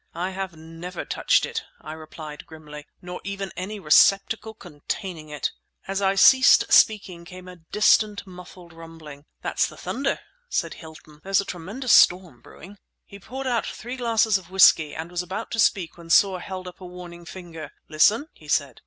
"I have never touched it," I replied grimly; "nor even any receptacle containing it." As I ceased speaking came a distant muffled rumbling. "That's the thunder," said Hilton. "There's a tremendous storm brewing." He poured out three glasses of whisky, and was about to speak when Soar held up a warning finger. "Listen!" he said.